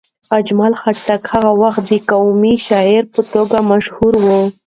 اجمل خټک هغه وخت د قامي شاعر په توګه مشهور و.